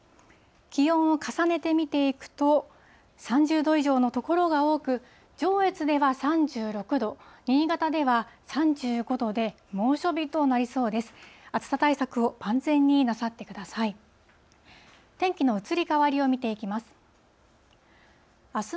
気温を重ねて見ていくと、３０度以上の所が多く、上越では３６度、新潟では３５度で、猛暑日となりそうです。